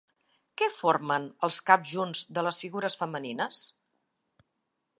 Què formen els caps junts de les figures femenines?